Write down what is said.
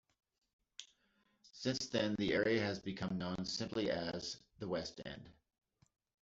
Since then the area has become known simply as "The West End".